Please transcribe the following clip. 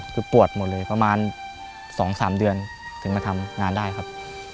คือปวดหมดเลยประมาณ๒๓เดือนถึงมาทำงานได้ครับ